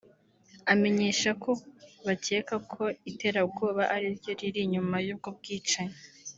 Amenyesha ko bakeka ko iterabwoba ari ryo riri inyuma y'ubwo bwicanyi